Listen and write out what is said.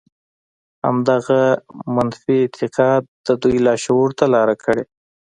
همدغه منفي اعتقاد د دوی لاشعور ته لاره کړې